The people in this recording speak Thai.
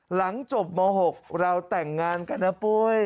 หลังจบม๖เราแต่งงานกันนะปุ้ย